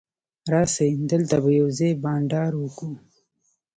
راسئ! دلته به یوځای بانډار وکو.